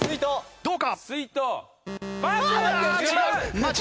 どうか？